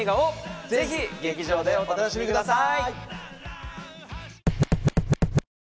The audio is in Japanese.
ぜひ劇場でお楽しみください！